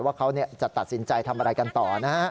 ว่าเขาจะตัดสินใจทำอะไรกันต่อนะฮะ